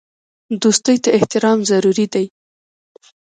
دوستۍ ته احترام ضروري دی.